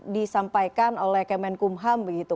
disampaikan oleh kemenkumham begitu